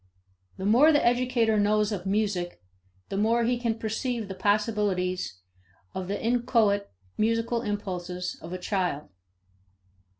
The more the educator knows of music the more he can perceive the possibilities of the inchoate musical impulses of a child.